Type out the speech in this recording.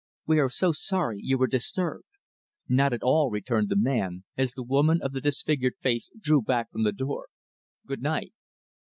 We are so sorry you were disturbed." "Not at all," returned the men, as the woman of the disfigured face drew back from the door. "Good night."